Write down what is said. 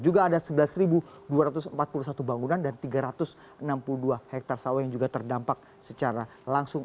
juga ada sebelas dua ratus empat puluh satu bangunan dan tiga ratus enam puluh dua hektare sawah yang juga terdampak secara langsung